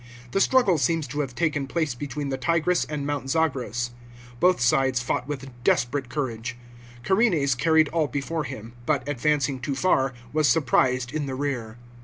The struggle seems to have taken place between the Tigris and Mount Zagros. Both sides fought with desperate courage. Carenes carried all hefore him, but, advancing too far, was surprised in the rear.